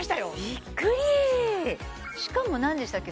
びっくりしかも何でしたっけ